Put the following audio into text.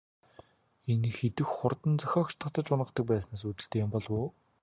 Энэ их идэвх хурд нь зохиогч татаж унадаг байснаас үүдэлтэй юм болов уу?